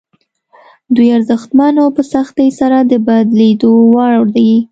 دوی ارزښتمن او په سختۍ سره د بدلېدو وړ دي.